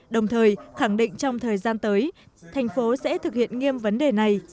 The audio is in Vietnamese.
đồng thời khẳng định trong thời gian tới thành phố sẽ thực hiện nghiêm vấn đề này